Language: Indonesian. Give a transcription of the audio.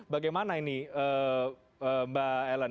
bagaimana ini mbak ellen